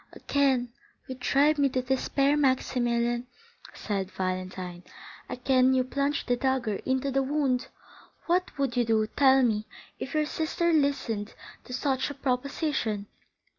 "Again you drive me to despair, Maximilian," said Valentine, "again you plunge the dagger into the wound! What would you do, tell me, if your sister listened to such a proposition?"